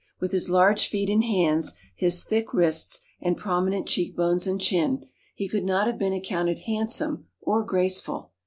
With his large feet and hands, his thick wrists, and prominent cheek bones and chin, he could not have been accounted handsome or graceful.